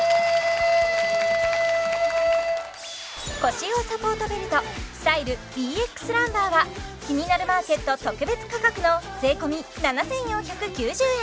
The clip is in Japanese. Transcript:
腰用サポートベルトスタイルＢＸランバーは「キニナルマーケット」特別価格の税込７４９０円